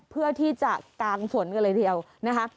เพื่อที่จะกางฝนกันเลยทีเดียวนะคะ